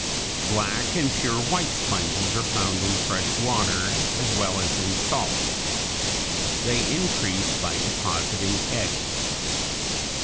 Black and pure white sponges are found in fresh water as well as in salt. They increase by depositing eggs.